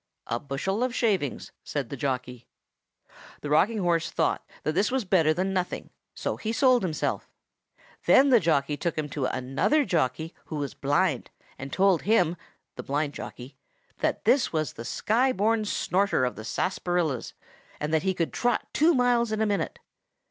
"A bushel of shavings," said the jockey. The rocking horse thought that was better than nothing, so he sold himself. Then the jockey took him to another jockey who was blind, and told him (the blind jockey) that this was the Sky born Snorter of the Sarsaparillas, and that he could trot two miles in a minute.